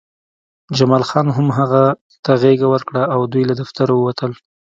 جمال خان هم هغه ته غېږه ورکړه او دوی له دفتر ووتل